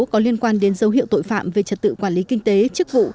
có liên quan đến dấu hiệu tội phạm về trật tự quản lý kinh tế chức vụ